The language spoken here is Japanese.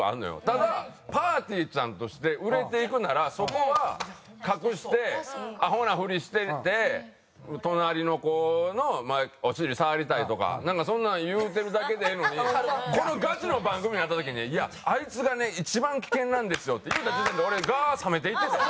ただぱーてぃーちゃんとして売れていくならそこは隠してアホなふりしてて隣の子のお尻触りたいとかなんかそんなん言うてるだけでええのにこのガチの番組になった時にいやあいつがね一番危険なんですよって言うた時点で俺ガーッ冷めていっててん。